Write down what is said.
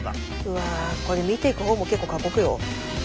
これ見ていく方も結構過酷よ。